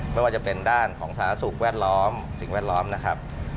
ไม่ว่าจะเป็นด้านของสาธารณสุขแวดล้อมสิ่งแวดล้อมนะครับ